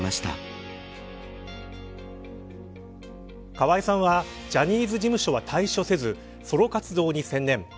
河合さんはジャニーズ事務所は退所せずソロ活動に専念。